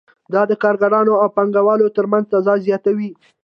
دا د کارګرانو او پانګوالو ترمنځ تضاد زیاتوي